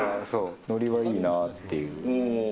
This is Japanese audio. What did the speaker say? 乗りはいいなっていう。